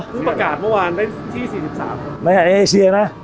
อ๋อเหรอผู้ประกาศเมื่อวานได้ที่สี่สิบสามในไอเชียนะ